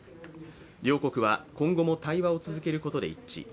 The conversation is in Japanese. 両国は今後も対話を続けることで一致。